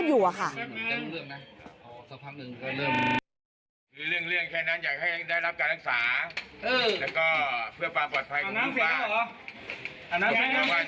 กระดาษจะให้หลวงตาได้รับการรักษานะ